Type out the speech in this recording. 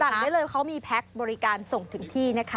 ได้เลยเขามีแพ็คบริการส่งถึงที่นะคะ